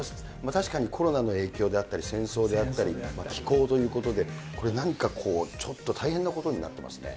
確かにコロナの影響であったり、戦争であったり、気候ということで、これ何かちょっと大変なことになってますね。